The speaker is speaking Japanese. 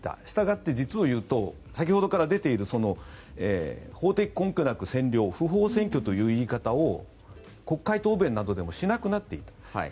したがって、実をいうと先ほどから出ている法的居根拠なく占領不法占拠という言い方を国会答弁などでもしなくなっている。